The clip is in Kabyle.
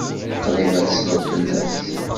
Qrib ad tesleḍ fell-as.